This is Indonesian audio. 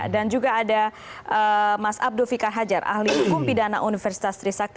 dan juga ada mas abdo fika hajar ahli hukum pidana universitas trisak